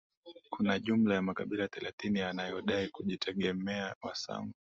Kuna jumla ya makabila thelathini yanayodai kujitegemea Wasangu